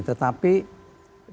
tetapi di dalam evaluasi